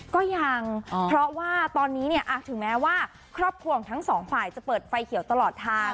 ก็ยังเพราะว่าตอนนี้เนี่ยถึงแม้ว่าครอบครัวของทั้งสองฝ่ายจะเปิดไฟเขียวตลอดทาง